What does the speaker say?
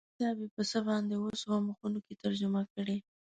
کتاب یې په څه باندې اووه سوه مخونو کې ترجمه کړی.